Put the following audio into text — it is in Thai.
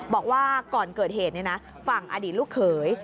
บอกว่าก่อนเกิดเหตุฝั่งอดีตลูกเขย